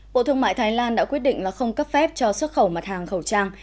bộ thương mại thái lan đã quyết định là không cấp phép cho xuất khẩu mặt hàng khẩu trang